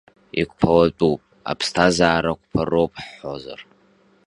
Иқәԥалатәуп, аԥсҭазаара қәԥароуп ҳҳәозар.